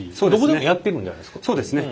そうですね